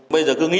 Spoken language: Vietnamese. bây giờ cứ nghĩ là